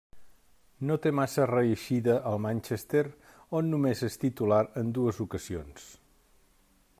No té massa reeixida al Manchester, on només és titular en dues ocasions.